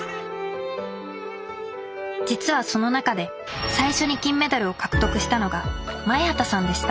実はその中で最初に金メダルを獲得したのが前畑さんでした。